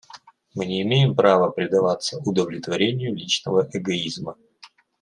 Мы не имеем права предаваться удовлетворению личного эгоизма.